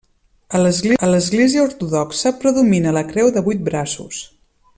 A l'Església Ortodoxa predomina la creu de vuit braços.